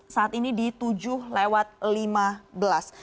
saat ini di tujuh lewat lima belas